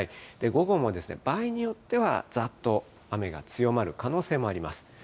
午後も場合によっては、ざっと雨が強まる可能性もあります。